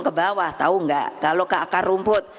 ke bawah tahu enggak kalau ke akar rumput